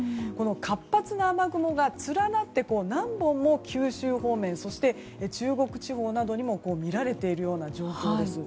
活発な雨雲が連なって何本も九州方面そして中国地方などにも見られているような状況です。